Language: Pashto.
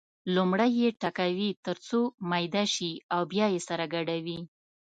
لومړی یې ټکوي تر څو میده شي او بیا یې سره ګډوي.